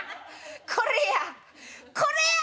これやこれや！